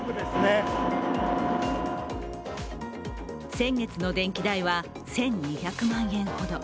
先月の電気代は１２００万円ほど。